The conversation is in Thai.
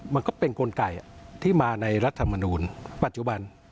มันก็เป็นกลไกที่มาในรัฐมนูลปัจจุบัน